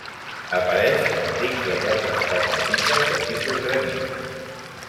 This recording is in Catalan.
Apareix en dics de roques pegmatites de tipus granit.